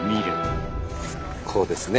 こうですね。